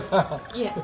いえ。